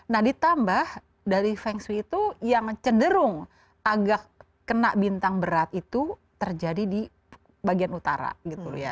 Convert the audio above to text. nah ditambah dari feng shui itu yang cenderung agak kena bintang berat itu terjadi di bagian utara gitu ya